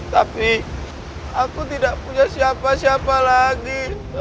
tapi aku tidak punya siapa siapa lagi